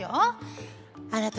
あなた